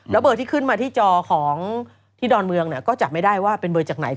เบอร์ที่ขึ้นมาที่จอของที่ดอนเมืองก็จับไม่ได้ว่าเป็นเบอร์จากไหน